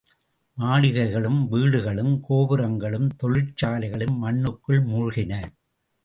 மாளிகைகளும், வீடுகளும், கோபுரங்களும், தொழிற்சாலைகளும் மண்ணுக்குள் மூழ்கின.